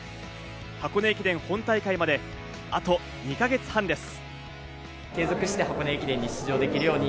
箱根駅伝本大会まで、あと２か月半です。